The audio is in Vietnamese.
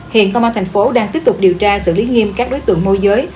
hiện công an tp hcm đang tiếp tục điều tra xử lý nghiêm các đối tượng môi giới